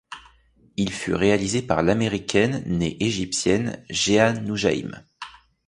Il fut réalisé par l'Américaine née Égyptienne Jehane Noujaim.